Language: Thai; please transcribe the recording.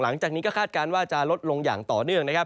หลังจากนี้ก็คาดการณ์ว่าจะลดลงอย่างต่อเนื่องนะครับ